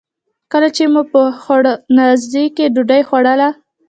کله چې مو په خوړنځای کې ډوډۍ خوړله.